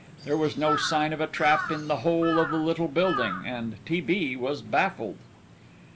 There was no sign of a trap in the whole of the little building, and T. B. was baffled.